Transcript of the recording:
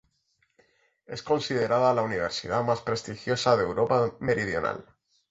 Es considerada la universidad más prestigiosa de Europa meridional.